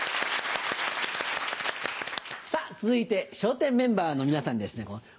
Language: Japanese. さぁ続いて笑点メンバーの皆さんにですね